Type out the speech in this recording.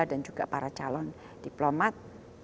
dan juga para calon diplomat